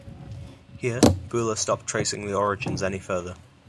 Here, Buhler stopped tracing the origins any further.